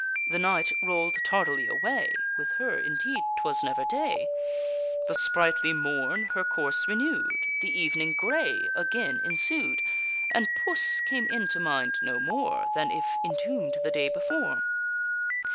The night roll'd tardily away, (With her indeed 'twas never day,) The sprightly morn her course renew'd, The evening grey again ensued, And puss came into mind no more Than if entomb'd the day before.